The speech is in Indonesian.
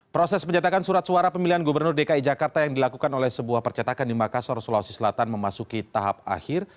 proses pencetakan surat suara pemilihan gubernur dki jakarta yang dilakukan oleh sebuah percetakan di makassar sulawesi selatan memasuki tahap akhir